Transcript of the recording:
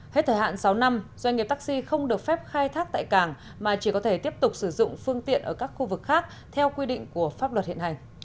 hết thời hạn sáu năm doanh nghiệp taxi không được phép khai thác tại cảng mà chỉ có thể tiếp tục sử dụng phương tiện ở các khu vực khác theo quy định của pháp luật hiện hành